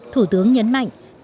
thủ tướng nhấn mạnh